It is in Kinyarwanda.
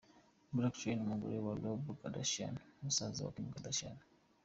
Blac Chyna umugore wa Rob Kardashian musaza wa Kim Kardashian.